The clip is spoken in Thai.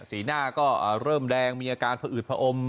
สีหน้าก็เริ่มแดงมีอาการผอืดผอม